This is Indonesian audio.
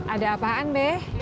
ada apaan be